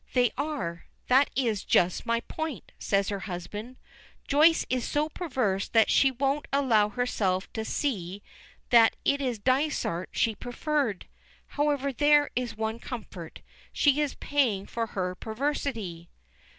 "They are. That is just my point," says her husband. "Joyce is so perverse that she won't allow herself to see that it is Dysart she preferred. However, there is one comfort, she is paying for her perversity."